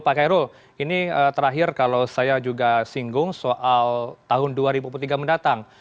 pak kairul ini terakhir kalau saya juga singgung soal tahun dua ribu dua puluh tiga mendatang